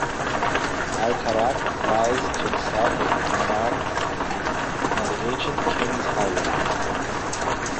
Al-Karak lies to the south of Amman on the ancient King's Highway.